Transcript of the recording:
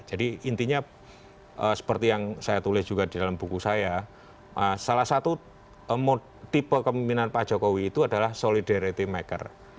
jadi intinya seperti yang saya tulis juga di dalam buku saya salah satu tipe kemimpinan pak jokowi itu adalah solidarity maker